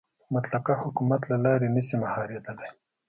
مطلقه حکومت له لارې نه شي مهارېدلی.